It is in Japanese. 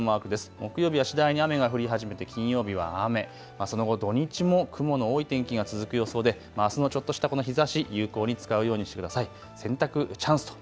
木曜日は次第に雨が降り始めて金曜日は雨、あすの土日も雲の多い天気が続く予想で、あすのちょっとしたこの日ざし有効に使うようにしてください。